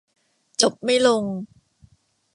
จบไม่ลง